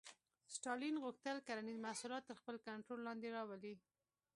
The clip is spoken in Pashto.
ستالین غوښتل کرنیز محصولات تر خپل کنټرول لاندې راولي.